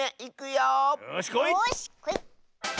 よしこい！